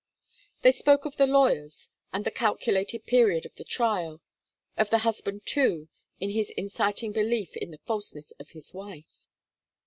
They spoke of the lawyers, and the calculated period of the trial; of the husband too, in his inciting belief in the falseness of his wife.